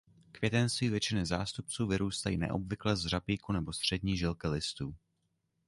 Květenství většiny zástupců vyrůstají neobvykle z řapíku nebo střední žilky listů.